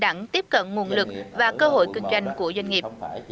đẳng tiếp cận nguồn lực và cơ hội kinh doanh của doanh nghiệp